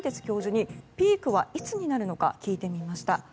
教授にピークはいつになるのか聞いてみました。